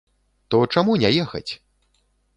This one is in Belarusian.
То чаму не ехаць?!